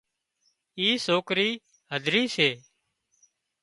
اي سوڪرِي هڌري سي